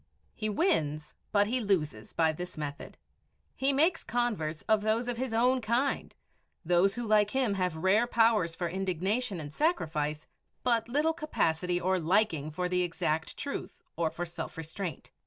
He wins, but he loses, by this method. He makes converts of those of his own kind, those who like him have rare powers for indignation and sacrifice, but little capacity or liking for the exact truth or for self restraint.